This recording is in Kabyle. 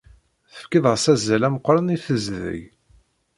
Tefkiḍ-as azal ameqran i tezdeg.